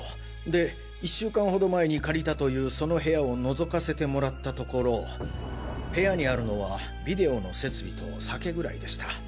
で１週間ほど前に借りたというその部屋を覗かせてもらったところ部屋にあるのはビデオの設備と酒ぐらいでした。